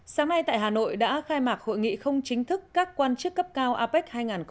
sáng nay tại hà nội đã khai mạc hội nghị không chính thức các quan chức cấp cao apec hai nghìn hai mươi